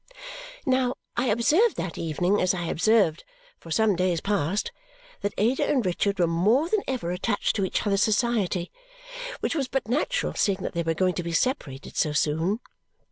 Now, I observed that evening, as I had observed for some days past, that Ada and Richard were more than ever attached to each other's society, which was but natural, seeing that they were going to be separated so soon.